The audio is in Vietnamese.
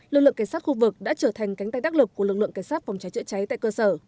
lực lượng cảnh sát khu vực đã trở thành cánh tay đắc lực của lực lượng cảnh sát phòng cháy chữa cháy tại cơ sở